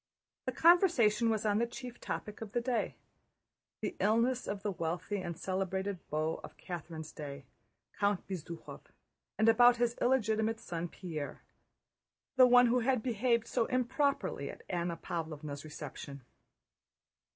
The conversation was on the chief topic of the day: the illness of the wealthy and celebrated beau of Catherine's day, Count Bezúkhov, and about his illegitimate son Pierre, the one who had behaved so improperly at Anna Pávlovna's reception.